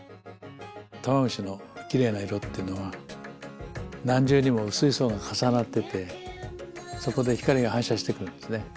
タマムシのきれいな色っていうのは何重にも薄い層が重なっててそこで光が反射してくるんですね。